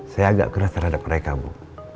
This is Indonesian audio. saya agak keras terhadap mereka bu